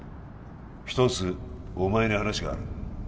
一つお前に話がある